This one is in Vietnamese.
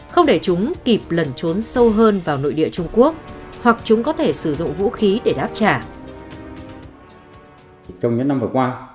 không để chúng kịp lẩn trốn sâu hơn vào nội địa trung quốc hoặc chúng có thể sử dụng vũ khí để đáp trả